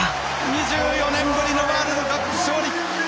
２４年ぶりのワールドカップ勝利！